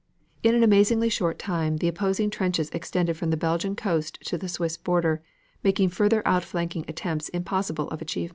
In an amazingly short time the opposing trenches extended from the Belgian coast to the Swiss border, making further outflanking attempts impossible of achievement.